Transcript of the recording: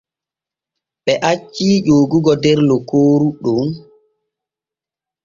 Ɓe acci ƴoogogo der lokooru ɗon.